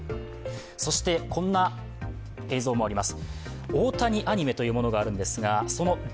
そしてこんな映像もあります。